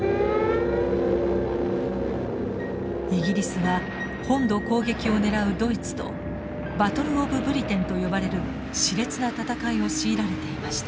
イギリスは本土攻撃を狙うドイツとバトル・オブ・ブリテンと呼ばれるしれつな戦いを強いられていました。